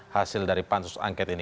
hasil dari pansus angket ini